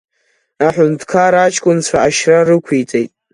Аҳәынҭқар аҷкәынцәа ашьра рықәиҵеит.